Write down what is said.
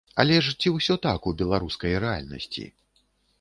Але ж ці ўсё так у беларускай рэальнасці?